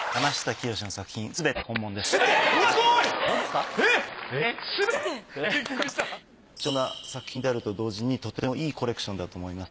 貴重な作品であると同時にとてもいいコレクションだと思います。